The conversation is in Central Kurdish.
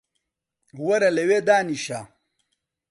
وەرە لەوێ دانیشە